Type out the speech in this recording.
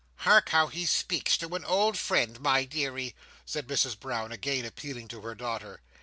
"Hark how he speaks to an old friend, my deary!" said Mrs Brown, again appealing to her daughter.